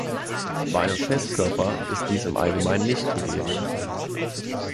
Bei einem Festkörper ist dies im Allgemeinen nicht gegeben.